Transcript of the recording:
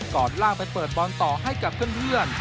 ก่อนล่างไปเปิดบอลต่อให้กับเพื่อน